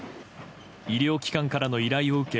医療機関からの依頼を受け